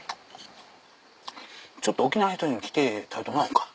ちょっと沖縄の人に来て食べてもらおうか。